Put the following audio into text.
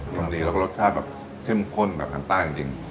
กำลังดีแล้วก็รสชาติแบบเช่มข้นกับอาหารใต้จริง